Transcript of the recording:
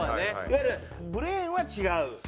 いわゆるブレーンは違う。